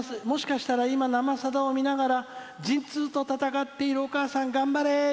もしかしたら今「生さだ」を見ながら陣痛と闘っているお母さん頑張れ！